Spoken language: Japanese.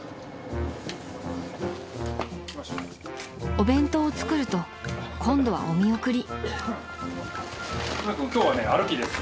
［お弁当を作ると今度はお見送り］